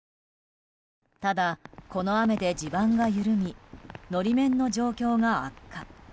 ただ、この雨で地盤が緩み法面の状況が悪化。